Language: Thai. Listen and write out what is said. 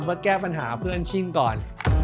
เพื่อแก้ปัญหาเพื่อนชิงก่อน